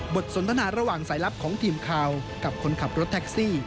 สนทนาระหว่างสายลับของทีมข่าวกับคนขับรถแท็กซี่